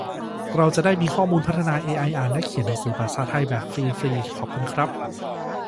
เราจะได้มีข้อมูลมาพัฒนา เอไอ อ่านและเขียนหนังสือภาษาไทยแบบฟรี ฟรี ขอบคุณครับ